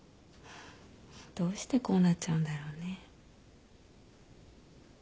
どうしてこうなっちゃうんだろうね。